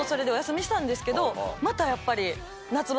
またやっぱり。